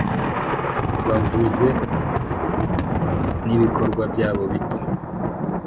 bahuze nibikorwa byabo bito